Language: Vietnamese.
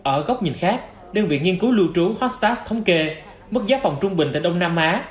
ở góc nhìn khác đơn vị nghiên cứu lưu trú hostast thống kê mức giá phòng trung bình tại đông nam á